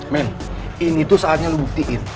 men ini tuh saatnya lo buktiin